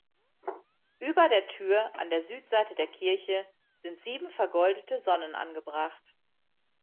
Über der Tür an der Südseite der Kirche sind sieben vergoldete Sonnen angebracht.